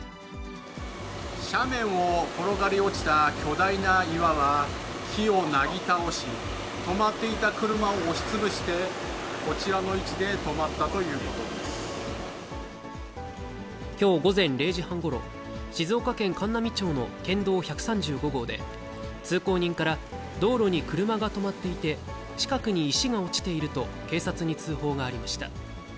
斜面を転がり落ちた巨大な岩は、木をなぎ倒し、止まっていた車を押し潰して、こちらの位置で止まったというこきょう午前０時半ごろ、静岡県函南町の県道１３５号で、通行人から道路に車が止まっていて、近くに石が落ちていると、警察に通報がありました。